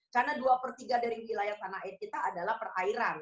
karena dua per tiga dari wilayah tanah air kita adalah perairan